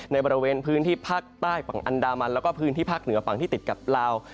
ในบริเวณพื้นที่ภาคใต้ฝั่งอันดามันแล้วก็พื้นที่ภาคเหนือฝั่งที่ติดกับลาว